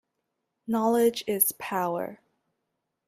Knowledge is power.